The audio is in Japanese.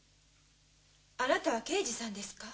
あなたは刑事さんですか？